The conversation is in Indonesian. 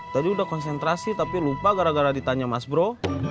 tadi sudah konsentrasi tapi lupa gara gara ditanya mas bro